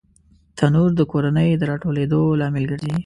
تنور د کورنۍ د راټولېدو لامل ګرځي